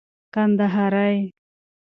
کندهارى